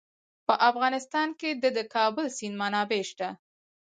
په افغانستان کې د د کابل سیند منابع شته.